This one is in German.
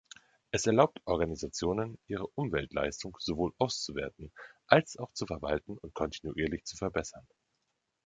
Es erlaubt Organisationen, ihre Umweltleistung sowohl auszuwerten als auch zu verwalten und kontinuierlich zu verbessern.